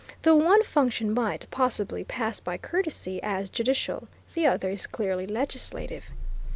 The one function might, possibly, pass by courtesy as judicial; the other is clearly legislative.